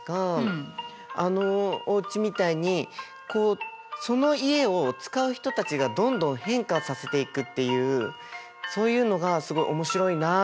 あのおうちみたいにこうその家を使う人たちがどんどん変化させていくっていうそういうのがすごい面白いなと思いました。